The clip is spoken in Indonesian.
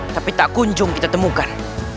tapi tak kunjung kita temukan